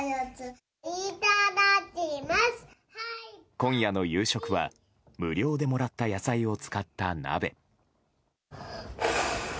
今夜の夕食は無料でもらった野菜を使った鍋。